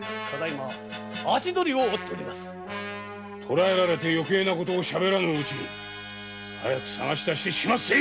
捕らえられて余計なことをしゃべらぬうちに早く捜し出して始末せい！